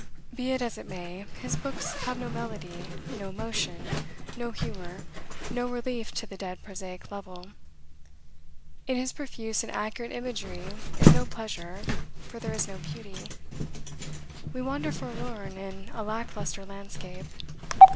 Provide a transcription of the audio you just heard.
Be it as it may, his books have no melody, no emotion, no humor, no relief to the dead prosaic level. In his profuse and accurate imagery is no pleasure, for there is no beauty. We wander forlorn in a lack lustre landscape.